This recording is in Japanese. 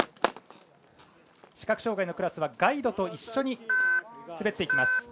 視覚障がいのクラスはガイドと一緒に滑っていきます。